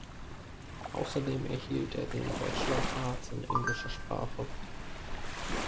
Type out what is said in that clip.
Außerdem erhielt er den Bachelor of Arts in englischer Sprache.